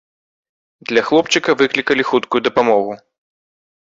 Для хлопчыка выклікалі хуткую дапамогу.